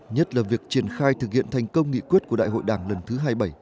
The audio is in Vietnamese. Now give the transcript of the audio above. nhất là việc triển khai thực hiện thành công nghị quyết của đại hội đảng lần thứ hai mươi bảy